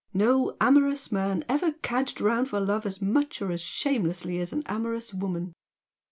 No amorous man ever cadged round for love as much or as shamelessly as an amorous woman!